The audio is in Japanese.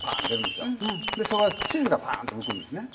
そこは地図がパーンと浮くんですね。